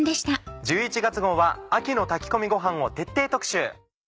１１月号は秋の炊き込みごはんを徹底特集。